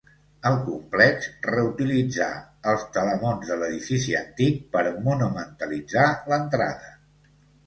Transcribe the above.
El complex reutilitzà els telamons de l'edifici antic per monumentalitzar l'entrada.